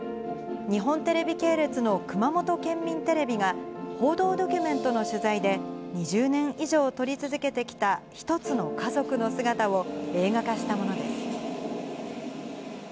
日本テレビ系列の熊本県民テレビが、報道ドキュメントの取材で、２０年以上撮り続けてきた一つの家族の姿を映画化したものです。